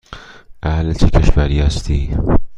اهل چه کشوری هستی؟